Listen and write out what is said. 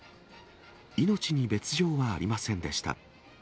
命に別状はありませんでした。